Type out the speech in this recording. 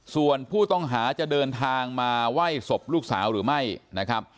ส่วนผู้ต้องหาจะเดินทางมาไหว้ศพลูกสาวหรือไม่นะครับ